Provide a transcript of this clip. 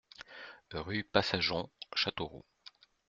Rue Passageon, Châteauroux